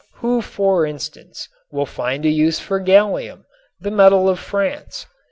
Who, for instance, will find a use for gallium, the metal of France?